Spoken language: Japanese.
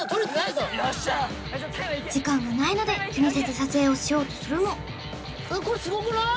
時間がないので気にせず撮影をしようとするもスゴくない？